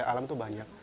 tapi alam itu banyak